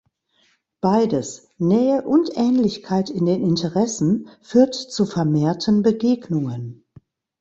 Beides, Nähe und Ähnlichkeit in den Interessen, führt zu vermehrten Begegnungen.